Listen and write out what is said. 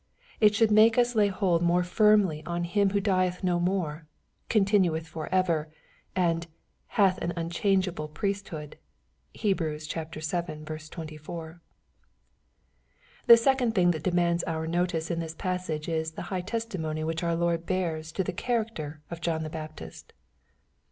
It should make us lay hold more firmly on Him who dieth no more, " continueth ever," and " hath an unchangeable priest hood." (Heb. vii. 24.) The second thing that demands our notice in this pas« sage, is the high testimony which our Lord bears to the character of John the Baptist.